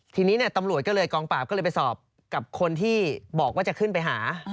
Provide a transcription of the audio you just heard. ทีนี้ตำรวจก็เลยกองปราบก็เลยไปสอบกับคนที่บอกว่าจะขึ้นไปหา